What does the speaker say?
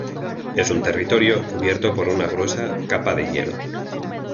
Es un territorio cubierto por una gruesa capa de hielo.